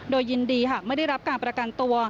โดยยินดีหากไม่ได้รับการประกันตัว